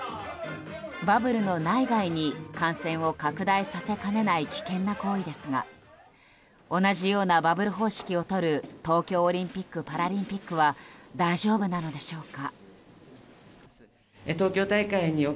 バブルの内外に感染を拡大させかねない危険な行為ですが同じようなバブル方式をとる東京オリンピック・パラリンピックは大丈夫なのでしょうか。